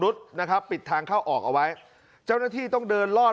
นะครับปิดทางเข้าออกเอาไว้เจ้าหน้าที่ต้องเดินลอด